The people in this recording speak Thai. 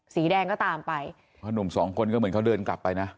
สีแดงก็ตามไปเพราะหนุ่มสองคนก็เหมือนเขาเดินกลับไปนะ